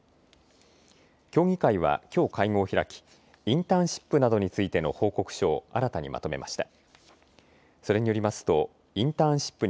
協議会はきょう会合を開きインターンシップなどについての報告書を新たにまとめました。